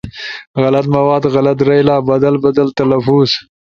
غلط مواد، غلط رئیلا، بدل بدل تلفظ